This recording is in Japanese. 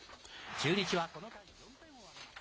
中日はこの回、４点を挙げます。